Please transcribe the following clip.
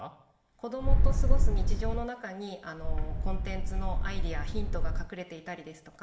子どもとすごす日常のなかにコンテンツのアイデアヒントが隠れていたりですとか